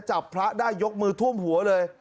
จับพระได้ยกมือท่วมหัวเลย